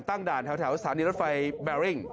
ด่านแถวสถานีรถไฟแบริ่ง